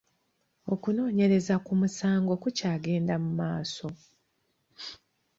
Okunoonyereza ku musango ku kyagenda mu maaso.